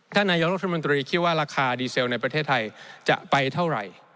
นายกรัฐมนตรีคิดว่าราคาดีเซลในประเทศไทยจะไปเท่าไหร่